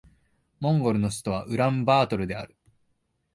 モンゴルの首都はウランバートルである